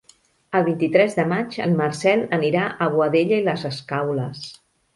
El vint-i-tres de maig en Marcel anirà a Boadella i les Escaules.